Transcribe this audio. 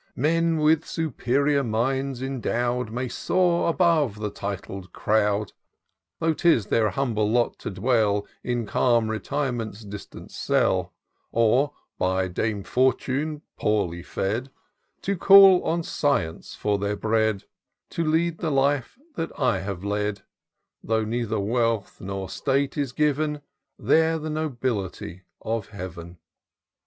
" Men with superior minds endow'd May soar above the titled crowd, Though 'tis their himible lot to dwell In calm retirement's distant cell ; Or, by Dame Fortune poorly fed, To call on science for their bread ; To lead the life that I have led :— Though neither wealth nor state is giv'n, They're the Nobility of Heaven.